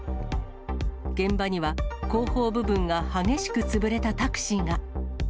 現場には、後方部分が激しく潰れたタクシーが。